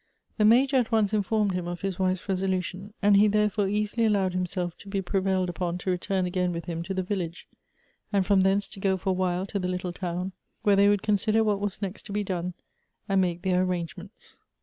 The Major at once informed liim of his wife's resolu tion, and he therefore easily allowed himself to be pre vailed upon to return again with him to the .village, and from thence to go for a while to the little town, where they would consider what was next to be done, and make their arrangements.